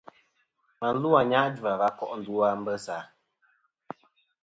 Và lu a Anyajua va ko' ndu a Mbessa.